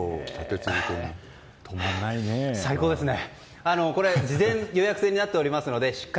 最高ですね。